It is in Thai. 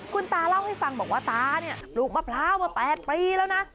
คุณตาเล่าให้ฟังบอกว่าตาเนี่ยปลูกมะพร้าวมา๘ปีแล้วนะ